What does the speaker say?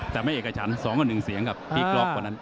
แต่ไม่เอกชัน๒กับ๑เสียงครับอีกรอบกว่านั้น